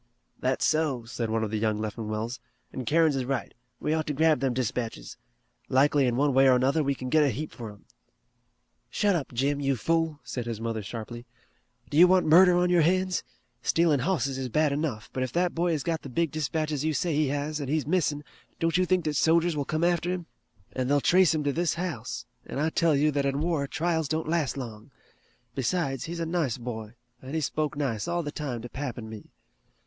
"That's so," said one of the young Leffingwells, "an' Kerins is right. We ought to grab them dispatches. Likely in one way or another we kin git a heap fur 'em." "Shut up, Jim, you fool," said his mother sharply. "Do you want murder on your hands? Stealin' hosses is bad enough, but if that boy has got the big dispatches you say he has, an' he's missin', don't you think that sojers will come after him? An' they'll trace him to this house, an' I tell you that in war trials don't last long. Besides, he's a nice boy an' he spoke nice all the time to pap an' me."